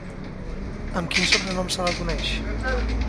Amb quin sobrenom se la coneix?